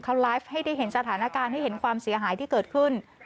เขาไลฟ์ให้ได้เห็นสถานการณ์ให้เห็นความเสียหายที่เกิดขึ้น